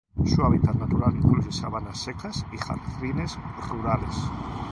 Su hábitat natural incluye sabanas secas y jardines rurales.